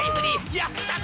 やったぜ！